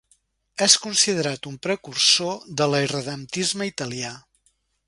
És considerat un precursor de l'irredemptisme italià.